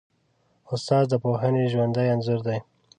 استاد د پوهنې ژوندی انځور دی.